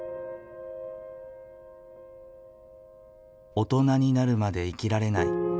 「大人になるまで生きられない」。